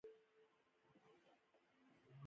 • د موټر چلوونکی د ستړیا له امله کښېناست.